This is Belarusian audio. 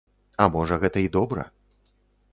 А можа гэта і добра.